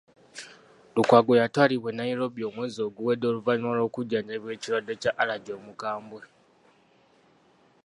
Lukwago yatwalibwa e Nairobi omwezi oguwedde oluvannyuma lw'okujjanjabibwa ekirwadde kya Alaje omukambwe.